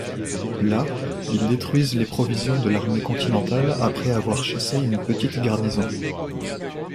Là, ils détruisent les provisions de l'Armée continentale après avoir chassé une petite garnison.